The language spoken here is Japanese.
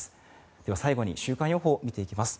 では最後に週間予報を見ていきます。